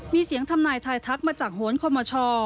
มีเสียงธรรมนายทายทักษ์มาจากโหลดคอมมาชอ